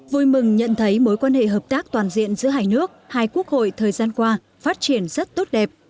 vui mừng nhận thấy mối quan hệ hợp tác toàn diện giữa hai nước hai quốc hội thời gian qua phát triển rất tốt đẹp